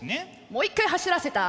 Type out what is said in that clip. もう一回走らせた。